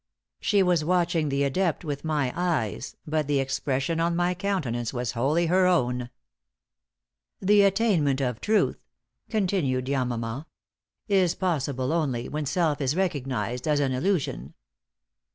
She was watching the adept with my eyes, but the expression on my countenance was wholly her own. "The attainment of truth," continued Yamama, "is possible only when self is recognized as an illusion.